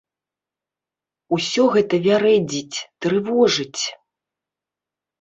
Усё гэта вярэдзіць, трывожыць.